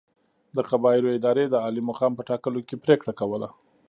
د قبایلو ادارې د عالي مقام په ټاکلو کې پرېکړه کوله.